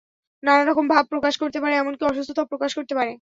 নানা রকম ভাব প্রকাশ করতে পারে, এমনকি অসুস্থতাও প্রকাশ করতে পারে।